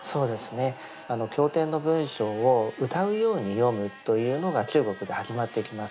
経典の文章を歌うように読むというのが中国で始まってきます。